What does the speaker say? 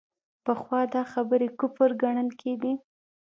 پخوا دا خبرې کفر ګڼل کېدې.